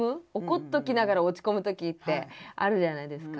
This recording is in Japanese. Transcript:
怒っときながら落ち込むときってあるじゃないですか。